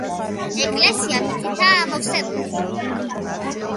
ეკლესია მიწითაა ამოვსებული.